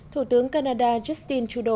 thủ tướng canada justin trudeau